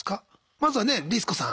まずはねリス子さん。